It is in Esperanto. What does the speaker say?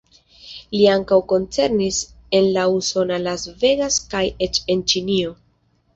Li ankaŭ koncertis en la usona Las Vegas kaj eĉ en Ĉinio.